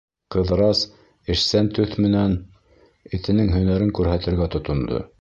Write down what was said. Ҡыҙырас эшсән төҫ менән этенең һәнәрен күрһәтергә тотондо.